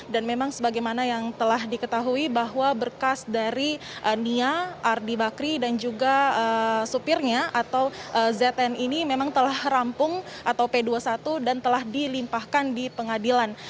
dan memang sebagaimana yang telah diketahui bahwa berkas dari nia riba kri dan juga supirnya atau zn ini memang telah rampung atau p dua puluh satu dan telah dilimpahkan di pengadilan